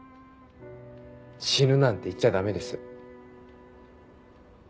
死ぬなんて言っちゃダメです。